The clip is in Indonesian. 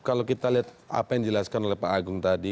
kalau kita lihat apa yang dijelaskan oleh pak agung tadi